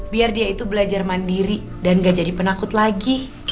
biar dia itu belajar mandiri dan gak jadi penakut lagi